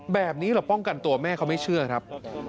แบบนี้เราป้องกันตัวแม่เขาไม่เชื่อครับ